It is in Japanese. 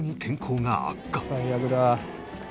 「最悪だ」